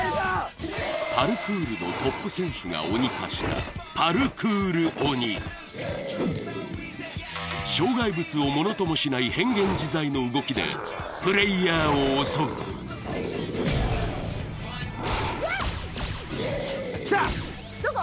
パルクールのトップ選手が鬼化した障害物をものともしない変幻自在の動きでプレイヤーを襲う来たどこ？